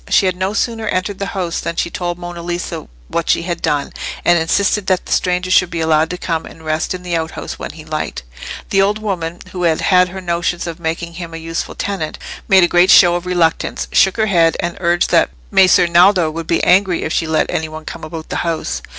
She had no sooner entered the house than she told Monna Lisa what she had done, and insisted that the stranger should be allowed to come and rest in the outhouse when he liked. The old woman, who had had her notions of making him a useful tenant, made a great show of reluctance, shook her head, and urged that Messer Naldo would be angry if she let any one come about the house.